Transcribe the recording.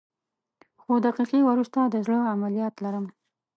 څو دقیقې وروسته د زړه عملیات لرم